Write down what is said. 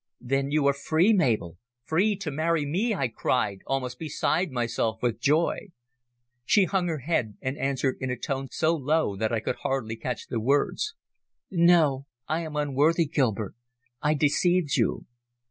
"Then you are free, Mabel free to marry me!" I cried, almost beside myself with joy. She hung her head, and answered in a tone so low that I could hardly catch the words "No, I am unworthy, Gilbert. I deceived you."